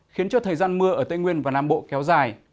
khiến cho thời gian mưa ở tây nguyên và nam bộ kéo dài